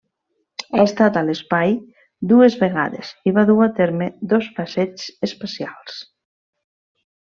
Ha estat a l'espai dues vegades i va dur a terme dos passeigs espacials.